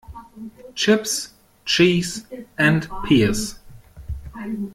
Chips, cheese and peas.